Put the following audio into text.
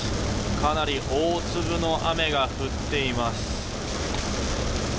かなり大粒の雨が降っています。